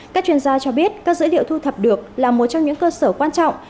các chuyên gia cho biết các dữ liệu thu thập được là một trong những cơ sở quan trọng